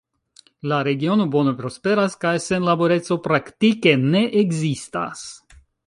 La regiono bone prosperas kaj senlaboreco praktike ne ekzistas.